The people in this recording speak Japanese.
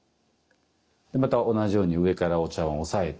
また同じように上からお茶碗を押さえて。